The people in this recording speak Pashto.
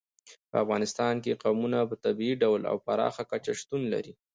په افغانستان کې قومونه په طبیعي ډول او پراخه کچه شتون لري.